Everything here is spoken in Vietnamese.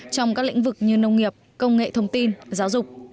trong các lĩnh vực như nông nghiệp công nghệ thông tin giáo dục